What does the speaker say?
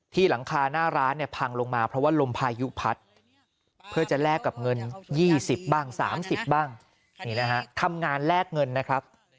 หลังคาหน้าร้านเนี่ยพังลงมาเพราะว่าลมพายุพัดเพื่อจะแลกกับเงิน๒๐บ้าง๓๐บ้างนี่นะฮะทำงานแลกเงินนะครับ